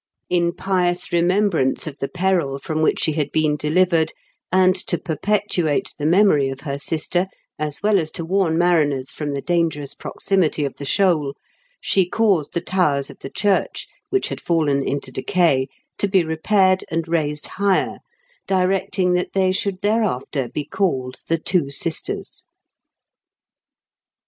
In pious remembrance of the peril from which she had been delivered, and to perpetuate the memory of her sister, as well as to warn mariners from the dangerous proximity of the shoal, she caused the towers of the church, which had fallen into decay, to be repaired and raised higher, directing that they should thereafter be called the Two Sisters.